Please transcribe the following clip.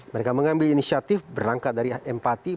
mereka mengambil inisiatif berangkat dari empati